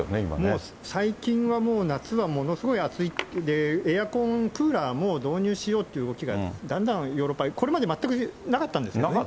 もう最近はもう、夏はものすごい暑い、エアコン、クーラーも導入しようっていう動きが、だんだんヨーロッパに、これまで全くなかったんですね。